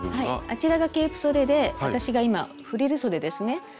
あちらがケープそでで私が今フリルそでですね。